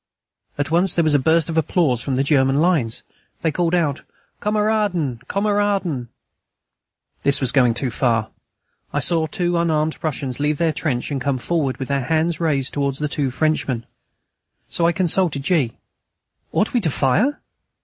At once there was a burst of applause from the German lines. They called out: "Kameraden! Kameraden!" This was going too far. I saw two unarmed Prussians leave their trench and come forward, with their hands raised towards the two Frenchmen, so I consulted G.: "Ought we to fire?